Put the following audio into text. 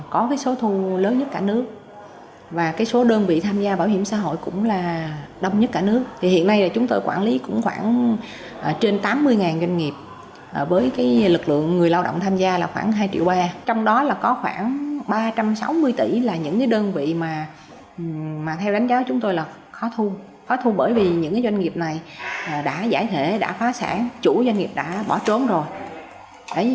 các doanh nghiệp này đã giải thể đã phá sản chủ doanh nghiệp đã bỏ trốn rồi